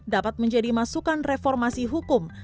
dapat menjadi masukan reformasi hukum